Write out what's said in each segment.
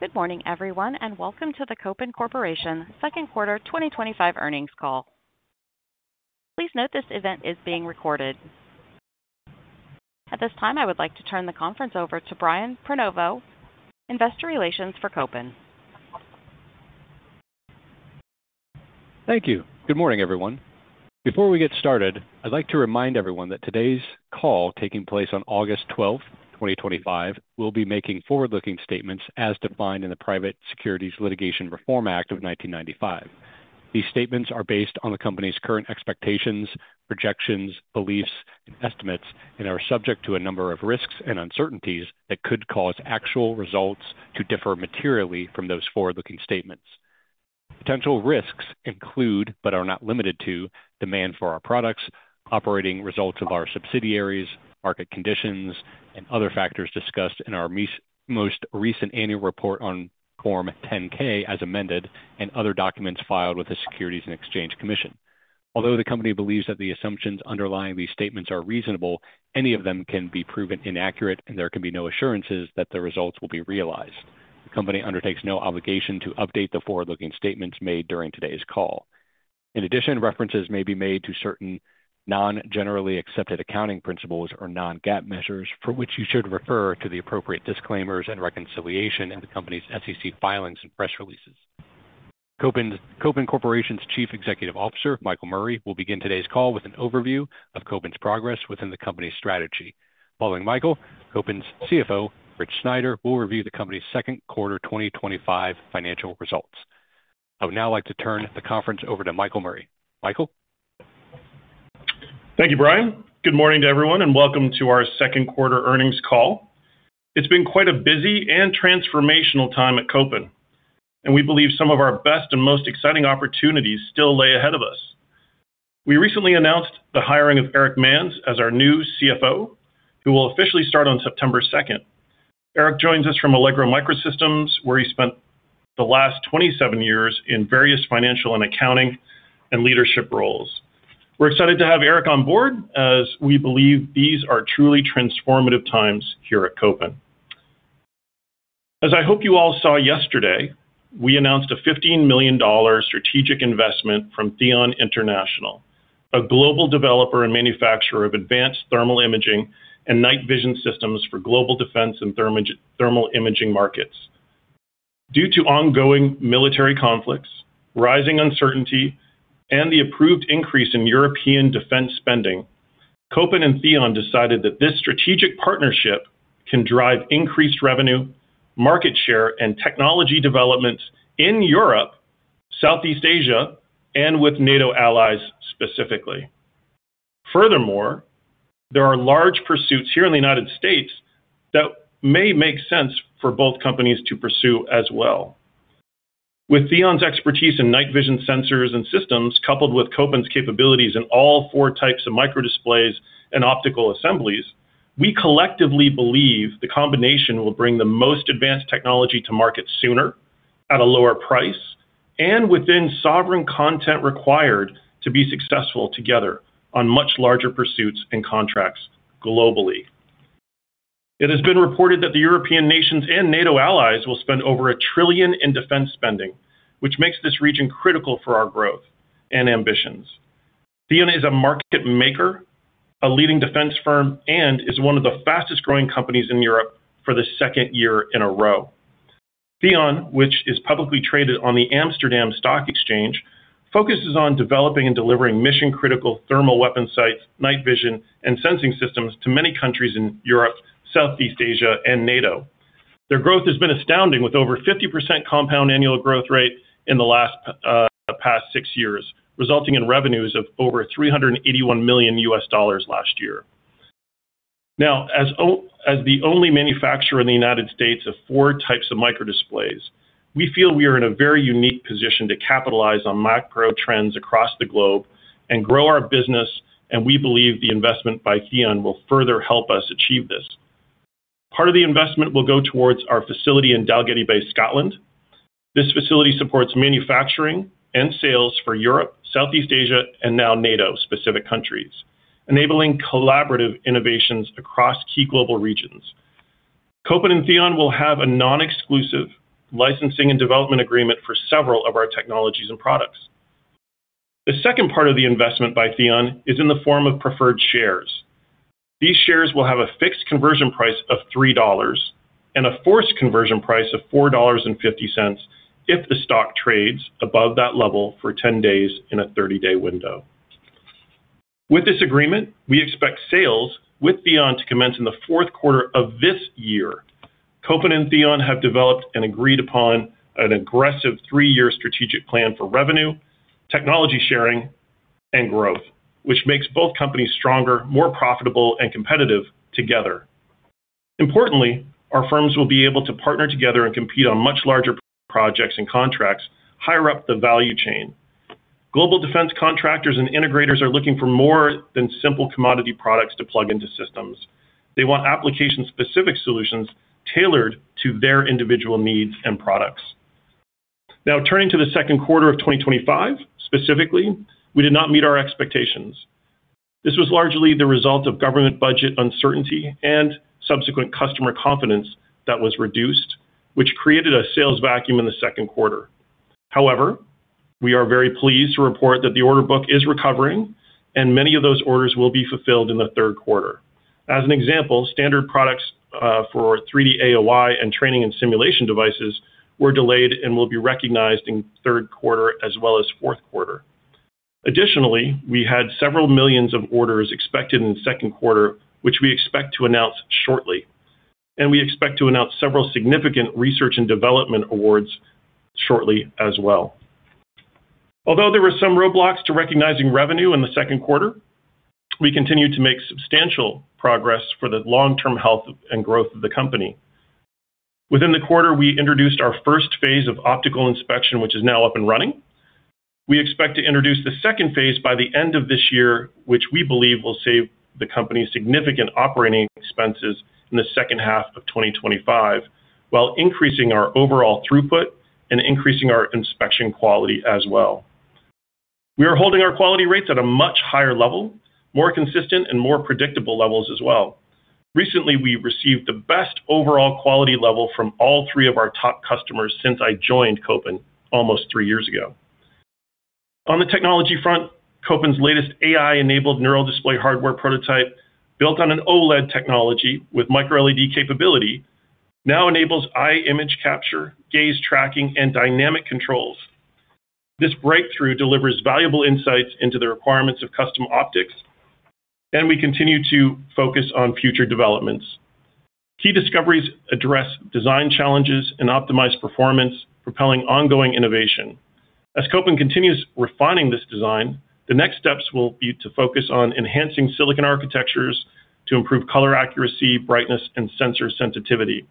Good morning, everyone, and welcome to the Kopin Corporation's Second Quarter 2025 Earnings Call. Please note this event is being recorded. At this time, I would like to turn the conference over to Brian Prenoveau, Investor Relations for Kopin. Thank you. Good morning, everyone. Before we get started, I'd like to remind everyone that today's call, taking place on August 12th, 2025, will be making forward-looking statements as defined in the Private Securities Litigation Reform Act of 1995. These statements are based on the company's current expectations, projections, beliefs, and estimates, and are subject to a number of risks and uncertainties that could cause actual results to differ materially from those forward-looking statements. Potential risks include, but are not limited to, demand for our products, operating results of our subsidiaries, market conditions, and other factors discussed in our most recent annual report on Form 10-K as amended, and other documents filed with the Securities and Exchange Commission. Although the company believes that the assumptions underlying these statements are reasonable, any of them can be proven inaccurate, and there can be no assurances that the results will be realized. The company undertakes no obligation to update the forward-looking statements made during today's call. In addition, references may be made to certain non-generally accepted accounting principles or non-GAAP measures, for which you should refer to the appropriate disclaimers and reconciliation in the company's SEC filings and press releases. Kopin Corporation's Chief Executive Officer, Michael Murray, will begin today's call with an overview of Kopin's progress within the company's strategy. Following Michael, Kopin's Chief Financial Officer, Rich Sneider, will review the company's second quarter 2025 financial results. I would now like to turn the conference over to Michael Murray. Michael. Thank you, Brian. Good morning to everyone, and welcome to our second quarter earnings call. It's been quite a busy and transformational time at Kopin, and we believe some of our best and most exciting opportunities still lay ahead of us. We recently announced the hiring of Erich Manz as our new CFO, who will officially start on September 2nd. Erich joins us from Allegro Microsystems, where he spent the last 27 years in various financial and accounting and leadership roles. We're excited to have Eric on board, as we believe these are truly transformative times here at Kopin. As I hope you all saw yesterday, we announced a $15 million strategic investment from THEON International, a global developer and manufacturer of advanced thermal imaging and night vision systems for global defense and thermal imaging markets. Due to ongoing military conflicts, rising uncertainty, and the approved increase in European defense spending, Kopin and THEON decided that this strategic partnership can drive increased revenue, market share, and technology developments in Europe, Southeast Asia, and with NATO allies specifically. Furthermore, there are large pursuits here in the United States that may make sense for both companies to pursue as well. With THEON's expertise in night vision sensors and systems, coupled with Kopin's capabilities in all four types of microdisplays and optical assemblies, we collectively believe the combination will bring the most advanced technology to market sooner, at a lower price, and within sovereign content required to be successful together on much larger pursuits and contracts globally. It has been reported that the European nations and NATO allies will spend over $1 trillion in defense spending, which makes this region critical for our growth and ambitions. THEON is a market maker, a leading defense firm, and is one of the fastest growing companies in Europe for the second year in a row. THEON, which is publicly traded on the Amsterdam Stock Exchange, focuses on developing and delivering mission-critical thermal weapon sights, night vision, and sensing systems to many countries in Europe, Southeast Asia, and NATO. Their growth has been astounding, with over 50% compound annual growth rate in the past six years, resulting in revenues of over $381 million last year. Now, as the only manufacturer in the United States of four types of microdisplays, we feel we are in a very unique position to capitalize on macro trends across the globe and grow our business, and we believe the investment by THEON will further help us achieve this. Part of the investment will go towards our facility in Dalgety Bay, Scotland. This facility supports manufacturing and sales for Europe, Southeast Asia, and now NATO-specific countries, enabling collaborative innovations across key global regions. Kopin and THEON will have a non-exclusive licensing and development agreement for several of our technologies and products. The second part of the investment by THEON is in the form of preferred shares. These shares will have a fixed conversion price of $3.00 and a forced conversion price of $4.50 if the stock trades above that level for 10 days in a 30-day window. With this agreement, we expect sales with THEON to commence in the fourth quarter of this year. Kopin and THEON have developed and agreed upon an aggressive three-year strategic plan for revenue, technology sharing, and growth, which makes both companies stronger, more profitable, and competitive together. Importantly, our firms will be able to partner together and compete on much larger projects and contracts higher up the value chain. Global defense contractors and integrators are looking for more than simple commodity products to plug into systems. They want application-specific solutions tailored to their individual needs and products. Now, turning to the second quarter of 2025, specifically, we did not meet our expectations. This was largely the result of government budget uncertainty and subsequent customer confidence that was reduced, which created a sales vacuum in the second quarter. However, we are very pleased to report that the order book is recovering, and many of those orders will be fulfilled in the third quarter. As an example, standard products for 3D AOI and training and simulation devices were delayed and will be recognized in third quarter as well as fourth quarter. Additionally, we had several millions of orders expected in the second quarter, which we expect to announce shortly. We expect to announce several significant research and development awards shortly as well. Although there were some roadblocks to recognizing revenue in the second quarter, we continued to make substantial progress for the long-term health and growth of the company. Within the quarter, we introduced our 1st phase of optical inspection, which is now up and running. We expect to introduce the 2nd phase by the end of this year, which we believe will save the company significant operating expenses in the second half of 2025, while increasing our overall throughput and increasing our inspection quality as well. We are holding our quality rates at a much higher level, more consistent, and more predictable levels as well. Recently, we received the best overall quality level from all three of our top customers since I joined Kopin almost three years ago. On the technology front, Kopin's latest AI-enabled NeuralDisplay hardware prototype, built on an OLED technology with micro-LED capability, now enables eye image capture, gaze tracking, and dynamic controls. This breakthrough delivers valuable insights into the requirements of custom optics, and we continue to focus on future developments. Key discoveries address design challenges and optimize performance, propelling ongoing innovation. As Kopin continues refining this design, the next steps will be to focus on enhancing silicon architectures to improve color accuracy, brightness, and sensor sensitivity.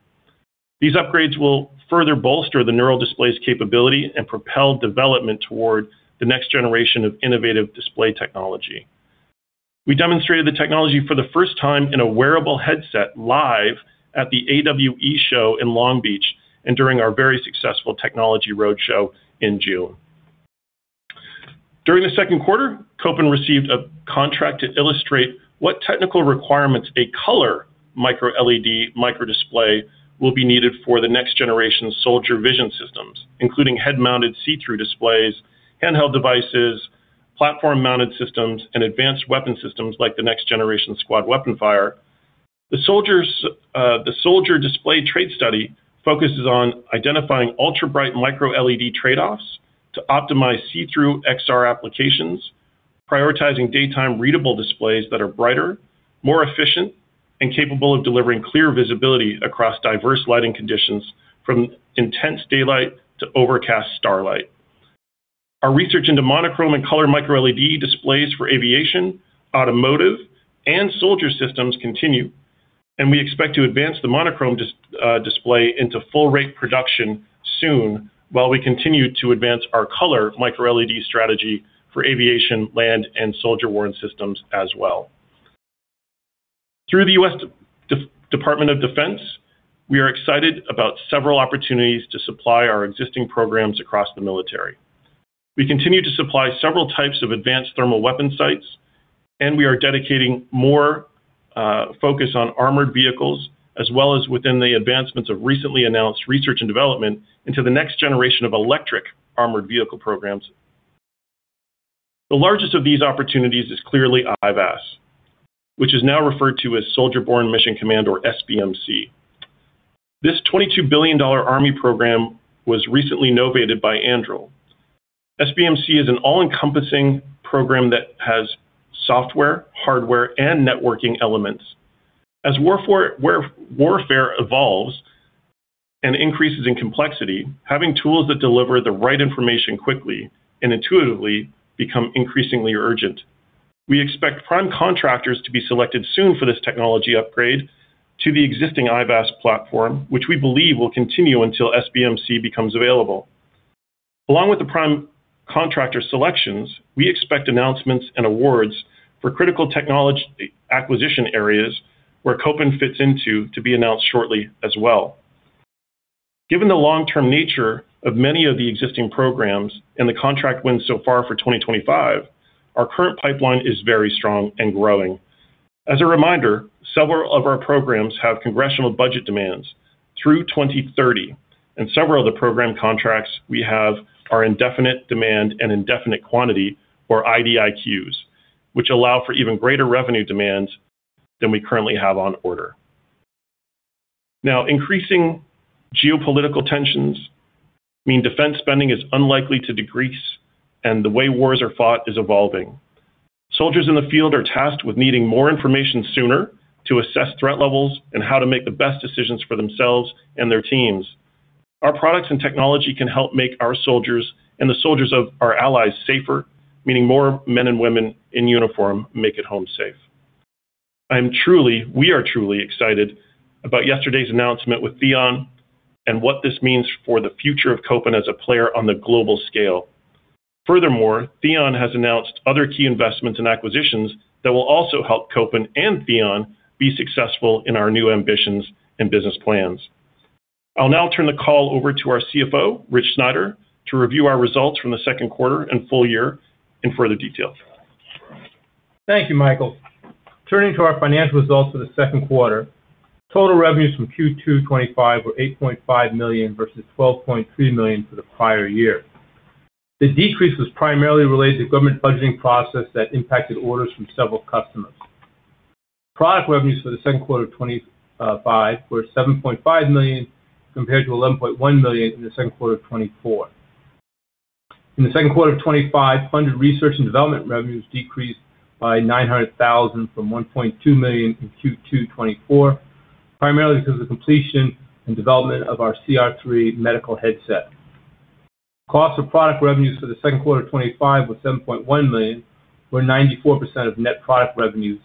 These upgrades will further bolster the NeuralDisplay's capability and propel development toward the next generation of innovative display technology. We demonstrated the technology for the first time in a wearable headset live at the AWE Show in Long Beach and during our very successful technology roadshow in June. During the second quarter, Kopin received a contract to illustrate what technical requirements a color micro-LED microdisplay will be needed for the next generation soldier vision systems, including head-mounted see-through displays, handheld devices, platform-mounted systems, and advanced weapon systems like the next generation squad weapon fire. The soldier display trade study focuses on identifying ultra-bright micro-LED trade-offs to optimize see-through XR applications, prioritizing daytime readable displays that are brighter, more efficient, and capable of delivering clear visibility across diverse lighting conditions from intense daylight to overcast starlight. Our research into monochrome and color micro-LED displays for aviation, automotive, and soldier systems continues, and we expect to advance the monochrome display into full-rate production soon while we continue to advance our color micro-LED strategy for aviation, land, and soldier-worn systems as well. Through the U.S. Department of Defense, we are excited about several opportunities to supply our existing programs across the military. We continue to supply several types of advanced thermal weapon sights, and we are dedicating more focus on armored vehicles, as well as within the advancements of recently announced research and development into the next generation of electric armored vehicle programs. The largest of these opportunities is clearly IVAS, Soldier Born Mission Command, or SBMC. This $22 billion Army program was recently novated by Anduril. SBMC is an all-encompassing program that has software, hardware, and networking elements. As warfare evolves and increases in complexity, having tools that deliver the right information quickly and intuitively becomes increasingly urgent. We expect prime contractors to be selected soon for this technology upgrade to the existing IVAS platform, which we believe will continue until SBMC becomes available. Along with the prime contractor selections, we expect announcements and awards for critical technology acquisition areas, where Kopin fits into, to be announced shortly as well. Given the long-term nature of many of the existing programs and the contract wins so far for 2025, our current pipeline is very strong and growing. As a reminder, several of our programs have congressional budget demands through 2030, and several of the program contracts we have are indefinite demand and indefinite quantity, or IDIQs, which allow for even greater revenue demands than we currently have on order. Now, increasing geopolitical tensions mean defense spending is unlikely to decrease, and the way wars are fought is evolving. Soldiers in the field are tasked with needing more information sooner to assess threat levels and how to make the best decisions for themselves and their teams. Our products and technology can help make our soldiers and the soldiers of our allies safer, meaning more men and women in uniform make it home safe. I am truly, we are truly excited about yesterday's announcement with THEON and what this means for the future of Kopin as a player on the global scale. Furthermore, THEON has announced other key investments and acquisitions that will also help Kopin and THEON be successful in our new ambitions and business plans. I'll now turn the call over to our CFO, Rich Sneider, to review our results from the second quarter and full year in further detail. Thank you, Michael. Turning to our financial results for the second quarter, total revenues for Q2 2025 were $8.5 million versus $12.3 million for the prior year. The decrease was primarily related to the government budgeting process that impacted orders from several customers. Product revenues for the second quarter of 2025 were $7.5 million compared to $11.1 million in the second quarter of 2024. In the second quarter of 2025, funded research and development revenues decreased by $900,000 from $1.2 million in Q2 2024, primarily because of the completion and development of our CR3 medical headset. Cost of product revenues for the second quarter of 2025 were $7.1 million, which were 94% of net product revenues,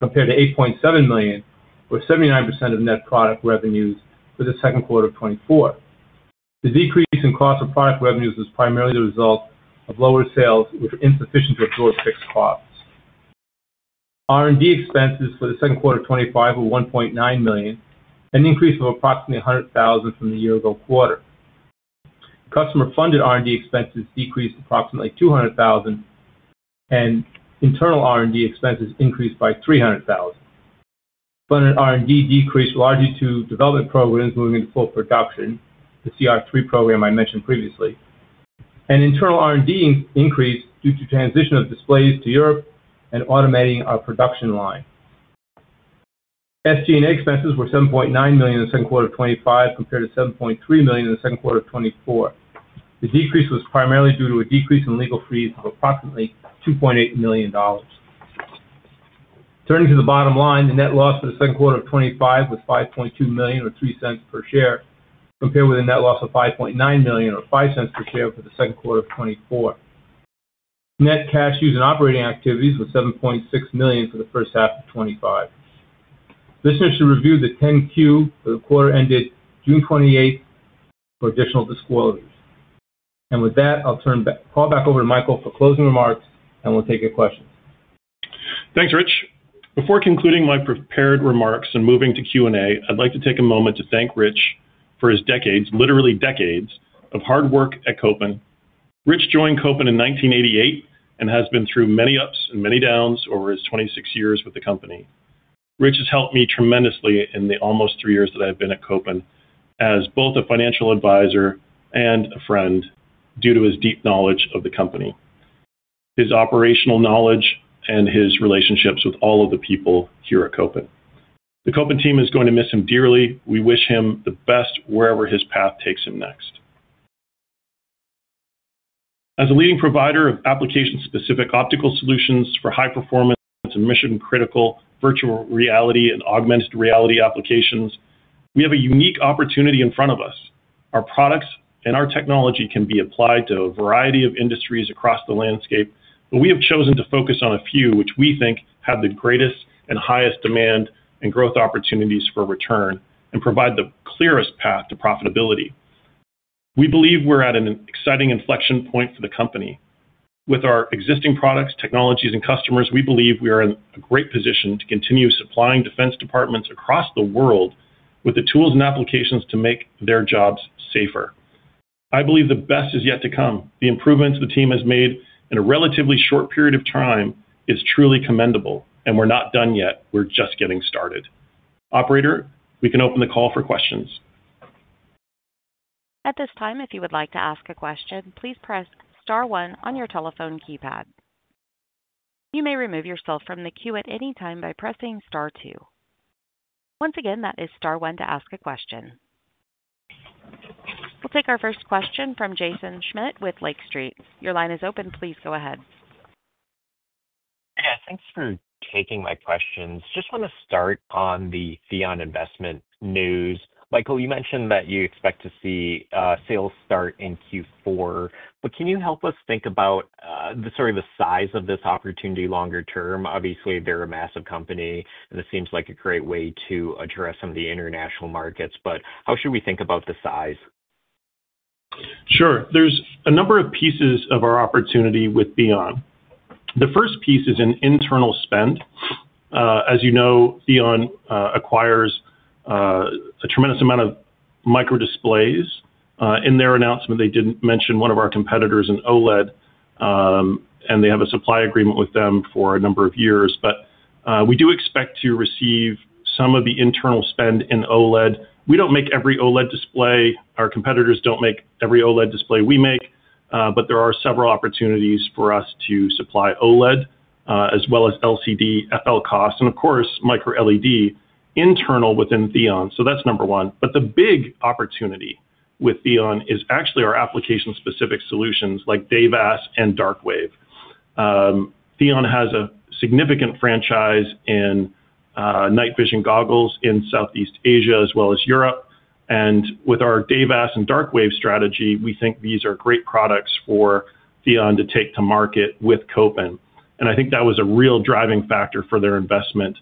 compared to $8.7 million, which were 79% of net product revenues for the second quarter of 2024. The decrease in cost of product revenues was primarily the result of lower sales, which were insufficient to absorb fixed costs. R&D expenses for the second quarter of 2025 were $1.9 million, an increase of approximately $100,000 from the year-ago quarter. Customer-funded R&D expenses decreased approximately $200,000, and internal R&D expenses increased by $300,000. Funded R&D decreased largely due to development programs moving into full production, the CR3 program I mentioned previously, and internal R&D increased due to the transition of displays to Europe and automating our production line. FG&A expenses were $7.9 million in the second quarter of 2025 compared to $7.3 million in the second quarter of 2024. The decrease was primarily due to a decrease in legal fees of approximately $2.8 million. Turning to the bottom line, the net loss for the second quarter of 2025 was $5.2 million or $0.03 per share, compared with a net loss of $5.9 million or $0.05 per share for the second quarter of 2024. Net cash used in operating activities was $7.6 million for the first half of 2025. Please review the 10-Q for the quarter ended June 28 for additional disclosures. With that, I'll turn the call back over to Michael for closing remarks, and we'll take your questions. Thanks, Rich. Before concluding my prepared remarks and moving to Q&A, I'd like to take a moment to thank Rich for his decades, literally decades, of hard work at Kopin. Rich joined Kopin in 1988 and has been through many ups and many downs over his 26 years with the company. Rich has helped me tremendously in the almost three years that I've been at Kopin as both a Financial Advisor and a friend due to his deep knowledge of the company, his operational knowledge, and his relationships with all of the people here at Kopin. The Kopin team is going to miss him dearly. We wish him the best wherever his path takes him next. As a leading provider of application-specific optical solutions for high-performance and mission-critical virtual reality and augmented reality applications, we have a unique opportunity in front of us. Our products and our technology can be applied to a variety of industries across the landscape, but we have chosen to focus on a few which we think have the greatest and highest demand and growth opportunities for return and provide the clearest path to profitability. We believe we're at an exciting inflection point for the company. With our existing products, technologies, and customers, we believe we are in a great position to continue supplying defense departments across the world with the tools and applications to make their jobs safer. I believe the best is yet to come. The improvements the team has made in a relatively short period of time are truly commendable, and we're not done yet. We're just getting started. Operator, we can open the call for questions. At this time, if you would like to ask a question, please press star one on your telephone keypad. You may remove yourself from the queue at any time by pressing star two. Once again, that is star one to ask a question. We'll take our first question from Jason Schmidt with Lake Street. Your line is open. Please go ahead. Yeah, thanks for taking my questions. Just want to start on the THEON investment news. Michael, you mentioned that you expect to see sales start in Q4, but can you help us think about the sort of the size of this opportunity longer term? Obviously, they're a massive company, and this seems like a great way to address some of the international markets, but how should we think about the size? Sure. There's a number of pieces of our opportunity with THEON. The first piece is in internal spend. As you know, THEON acquires a tremendous amount of microdisplays. In their announcement, they did mention one of our competitors in OLED, and they have a supply agreement with them for a number of years, but we do expect to receive some of the internal spend in OLED. We don't make every OLED display. Our competitors don't make every OLED display we make, but there are several opportunities for us to supply OLED as well as LCD, FLCOS, and of course, micro-LED internal within THEON. That's number one. The big opportunity with THEON is actually our application-specific solutions like DayVAS and DarkWAVE. THEON has a significant franchise in night vision goggles in Southeast Asia as well as Europe, and with our DayVAS and DarkWAVE strategy, we think these are great products for THEON to take to market with Kopin. I think that was a real driving factor for their investment.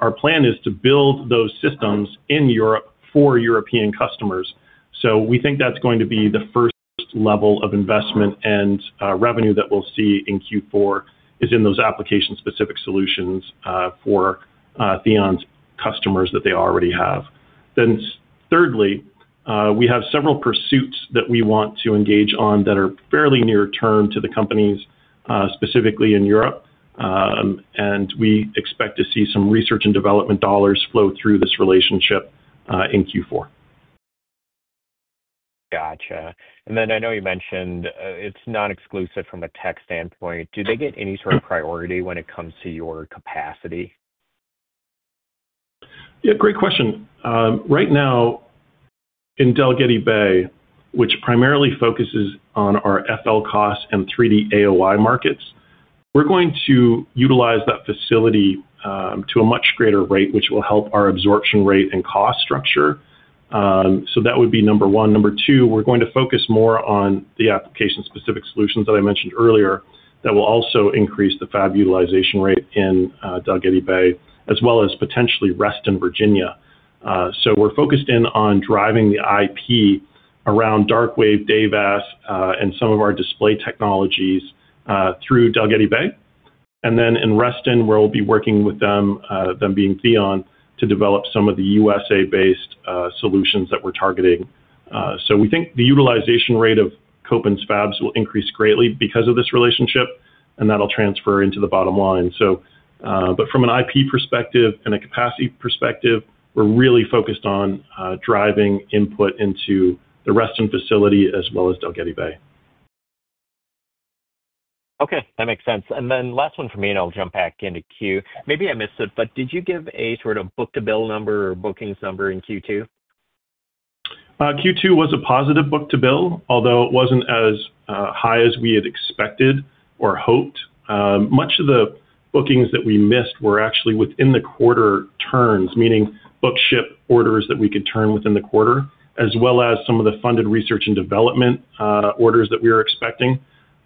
Our plan is to build those systems in Europe for European customers. We think that's going to be the first level of investment and revenue that we'll see in Q4 is in those application-specific solutions for THEON's customers that they already have. Thirdly, we have several pursuits that we want to engage on that are fairly near term to the companies, specifically in Europe, and we expect to see some research and development dollars flow through this relationship in Q4. Gotcha. I know you mentioned it's not exclusive from a tech standpoint. Do they get any sort of priority when it comes to your capacity? Yeah, great question. Right now, in Dalgety Bay, which primarily focuses on our FLCOS and 3D AOI markets, we're going to utilize that facility to a much greater rate, which will help our absorption rate and cost structure. That would be number one. Number two, we're going to focus more on the application-specific solutions that I mentioned earlier that will also increase the fab utilization rate in Dalgety Bay, as well as potentially Reston, Virginia. We're focused in on driving the IP around DarkWAVE, DayVAS, and some of our display technologies through Dalgety Bay. In Reston, we'll be working with them, them being THEON, to develop some of the U.S.-based solutions that we're targeting. We think the utilization rate of Kopin's fabs will increase greatly because of this relationship, and that'll transfer into the bottom line. From an IP perspective and a capacity perspective, we're really focused on driving input into the Reston facility as well as Dalgety Bay. Okay, that makes sense. Last one for me, I'll jump back into Q. Maybe I missed it, but did you give a sort of book to bill number or bookings number in Q2? Q2 was a positive book to bill, although it wasn't as high as we had expected or hoped. Much of the bookings that we missed were actually within the quarter turns, meaning book ship orders that we could turn within the quarter, as well as some of the funded research and development orders that we were expecting.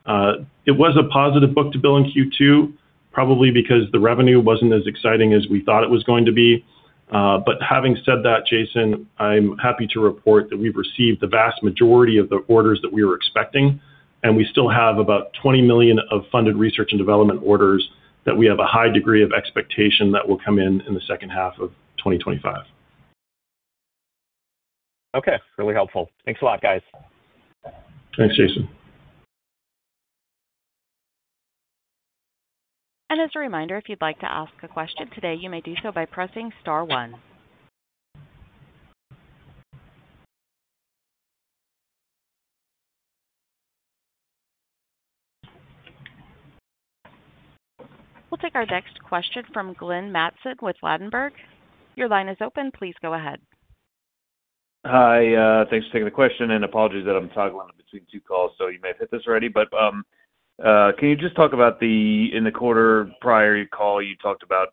It was a positive book to bill in Q2, probably because the revenue wasn't as exciting as we thought it was going to be. Having said that, Jason, I'm happy to report that we've received the vast majority of the orders that we were expecting, and we still have about $20 million of funded research and development orders that we have a high degree of expectation that will come in in the second half of 2025. Okay, really helpful. Thanks a lot, guys. Thanks, Jason. As a reminder, if you'd like to ask a question today, you may do so by pressing star one. We'll take our next question from Glenn Mattson with Ladenburg. Your line is open. Please go ahead. Hi, thanks for taking the question, and apologies that I'm toggling between two calls. You may have hit this already, but can you just talk about the, in the quarter prior call, you talked about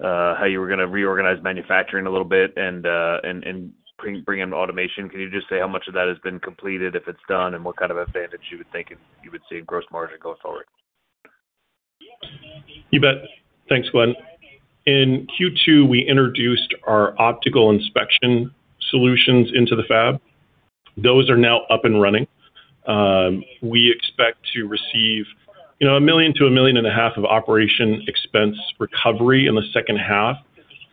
how you were going to reorganize manufacturing a little bit and bring in automation. Can you just say how much of that has been completed, if it's done, and what kind of advantage you would think you would see in gross margin going forward? You bet. Thanks, Glenn. In Q2, we introduced our optical inspection solutions into the fab. Those are now up and running. We expect to receive $1 million-$1.5 million of operating expense recovery in the second half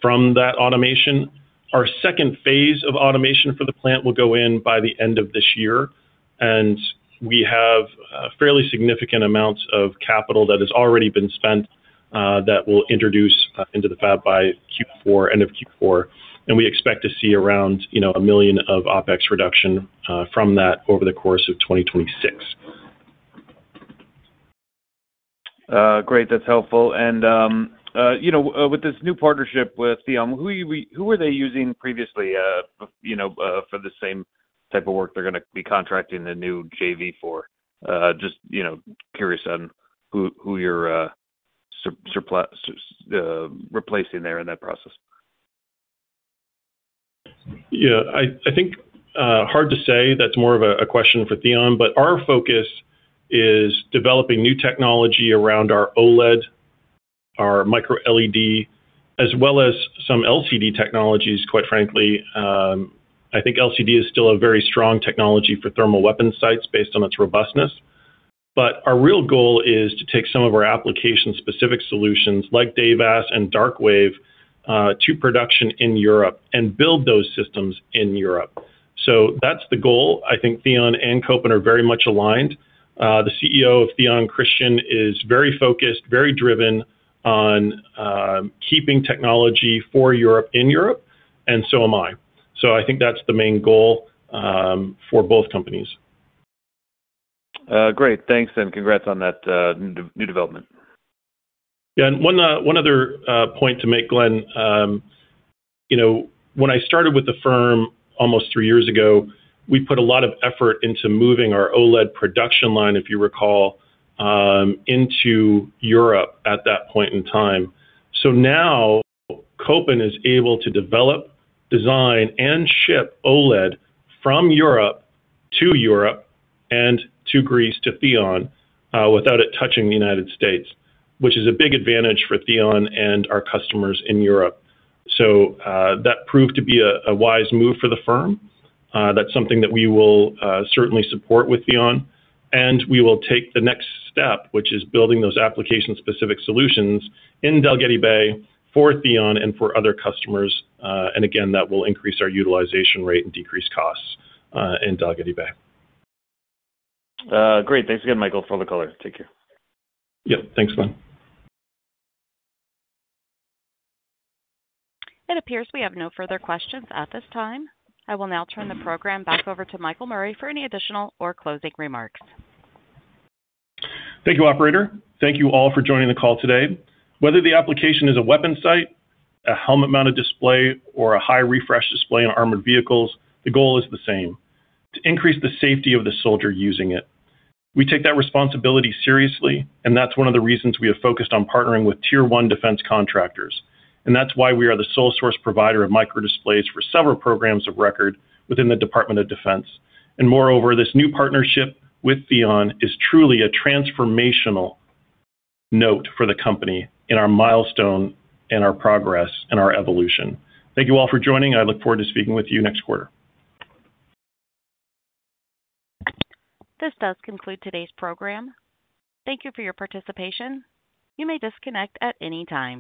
from that automation. Our second phase of automation for the plant will go in by the end of this year, and we have fairly significant amounts of capital that has already been spent that we'll introduce into the fab by Q4, end of Q4. We expect to see around $1 million of OpEx reduction from that over the course of 2026. Great, that's helpful. With this new partnership with THEON, who were they using previously for the same type of work they're going to be contracting the new JV for? Just curious on who you're replacing there in that process. Yeah, I think hard to say. That's more of a question for THEON, but our focus is developing new technology around our OLED, our micro-LED, as well as some LCD technologies, quite frankly. I think LCD is still a very strong technology for thermal weapon sights based on its robustness. Our real goal is to take some of our application-specific solutions like DayVAS and DarkWAVE to production in Europe and build those systems in Europe. That's the goal. I think THEON and Kopin are very much aligned. The CEO of THEON, Christian, is very focused, very driven on keeping technology for Europe in Europe, and so am I. I think that's the main goal for both companies. Great, thanks, and congrats on that new development. Yeah, and one other point to make, Glenn. You know, when I started with the firm almost three years ago, we put a lot of effort into moving our OLED production line, if you recall, into Europe at that point in time. Now, Kopin is able to develop, design, and ship OLED from Europe to Europe and to Greece to THEON without it touching the United States, which is a big advantage for THEON and our customers in Europe. That proved to be a wise move for the firm. That's something that we will certainly support with THEON, and we will take the next step, which is building those application-specific solutions in Dalgety Bay for THEON and for other customers. That will increase our utilization rate and decrease costs in Dalgety Bay. Great, thanks again, Michael, for all the color. Take care. Yeah, thanks, Glenn. It appears we have no further questions at this time. I will now turn the program back over to Michael Murray for any additional or closing remarks. Thank you, Operator. Thank you all for joining the call today. Whether the application is a weapon sight, a helmet-mounted display, or a high-refresh display in armored vehicles, the goal is the same: to increase the safety of the soldier using it. We take that responsibility seriously, and that is one of the reasons we have focused on partnering with tier 1 defense contractors. That is why we are the sole source provider of microdisplays for several programs of record within the U.S. Department of Defense. Moreover, this new partnership with THEON is truly a transformational note for the company in our milestone and our progress and our evolution. Thank you all for joining. I look forward to speaking with you next quarter. This does conclude today's program. Thank you for your participation. You may disconnect at any time.